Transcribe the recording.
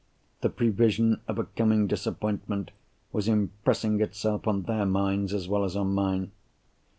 The prevision of a coming disappointment was impressing itself on their minds as well as on mine.